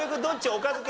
おかず系？